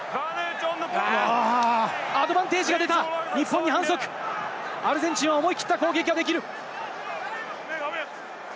アドバンテージが出た、日本に反則、アルゼンチンは思い切った攻撃ができる。